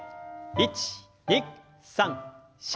１２３４。